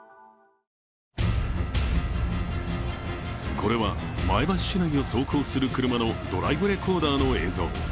これは前橋市内を走行する車のドライブレコーダーの映像。